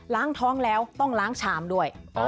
ล้างท้องแล้วต้องล้างชามด้วย